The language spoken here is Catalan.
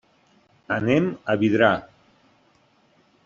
Anem a Vidrà.